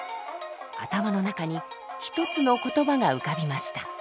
頭の中に一つの言葉が浮かびました。